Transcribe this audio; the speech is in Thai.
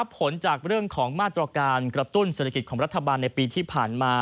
ผลจากเรื่องของมาตรการกระตุ้นเศรษฐกิจของรัฐบาลในปีที่ผ่านมา